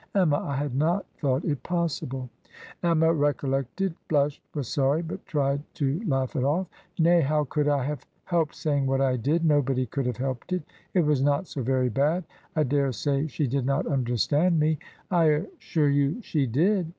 Emma, I had not thought it possible!^ Emma recollect ed, blushed, was sorry, but tried to laugh it ofiF. ' Nay, how could I have helped sdying what I did? Nobody could have helped it. It was not so very bad. I dare say she did not understand me.' ' I assure you she did.